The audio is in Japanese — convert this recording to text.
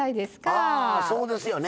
ああそうですよね。